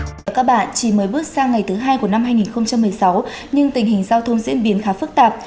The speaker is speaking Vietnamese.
chào các bạn chỉ mới bước sang ngày thứ hai của năm hai nghìn một mươi sáu nhưng tình hình giao thông diễn biến khá phức tạp